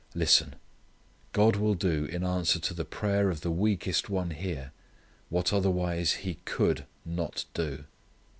Listen: God will do in answer to the prayer of the weakest one here what otherwise he could not do.